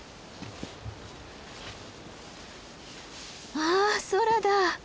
わあ空だ。